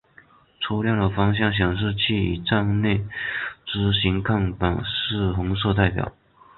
车辆的方向显示器与站内资讯看板以红色代表。